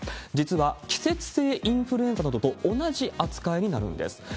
実は季節性インフルエンザなどと同じ扱いになるんです。